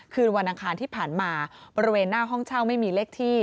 คืนวันอังคารที่ผ่านมาบริเวณหน้าห้องเช่าไม่มีเลขที่